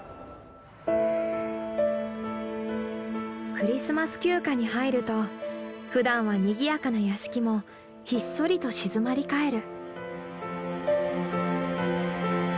クリスマス休暇に入るとふだんはにぎやかな屋敷もひっそりと静まり返る。